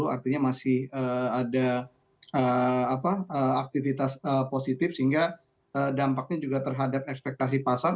artinya masih ada aktivitas positif sehingga dampaknya juga terhadap ekspektasi pasar